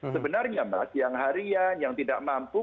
sebenarnya mas yang harian yang tidak mampu